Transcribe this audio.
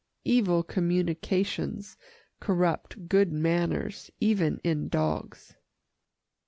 Evil communications corrupt good manners even in dogs.